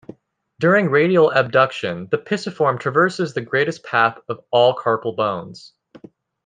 During radial abduction the pisiform traverses the greatest path of all carpal bones.